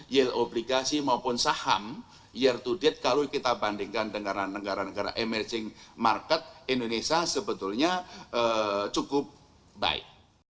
yield obligasi maupun saham year to date kalau kita bandingkan dengan negara negara emerging market indonesia sebetulnya cukup baik